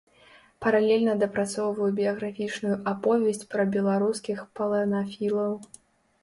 Паралельна дапрацоўваю біяграфічную аповесць пра беларускіх паланафілаў.